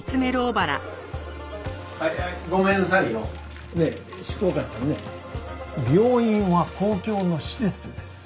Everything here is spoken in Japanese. はいはいごめんなさいよ。ねえ執行官さんね病院は公共の施設です。